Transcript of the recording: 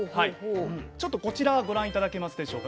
ちょっとこちらご覧頂けますでしょうか。